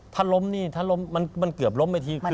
ถ้าล้มนี่ถ้าล้มมันเกือบล้มไปที